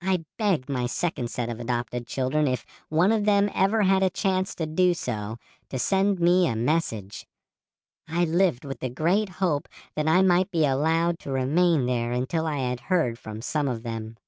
I begged my second set of adopted children if one of them ever had a chance to do so to send me a message. I lived with the great hope that I might be allowed to remain there until I had heard from some of them."